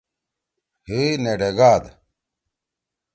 حی نے ڈے گاد۔